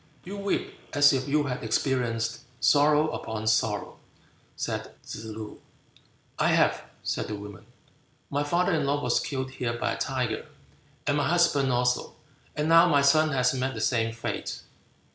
"You weep as if you had experienced sorrow upon sorrow," said Tsze loo. "I have," said the woman, "my father in law was killed here by a tiger, and my husband also; and now my son has met the same fate."